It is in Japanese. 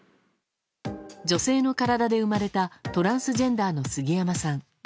女性の体で生まれたトランスジェンダーの杉山さん。